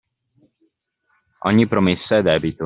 Ogni promessa è debito.